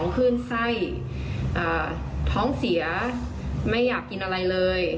ขึ้นไส้ท้องเสียไม่อยากกินอะไรเลย